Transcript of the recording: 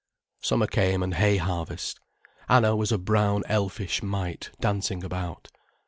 Summer came, and hay harvest, Anna was a brown elfish mite dancing about.